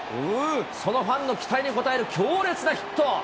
そのファンの期待に応える強烈なヒット。